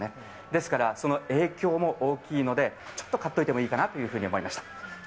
ですから、その影響も大きいので、ちょっと買っておいていいかなと思いました。